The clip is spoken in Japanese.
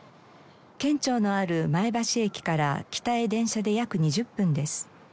県庁のある前橋駅から北へ電車で約２０分です。